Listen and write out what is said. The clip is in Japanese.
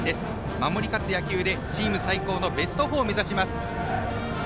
守り勝つ野球で、チーム最高のベスト４を目指します。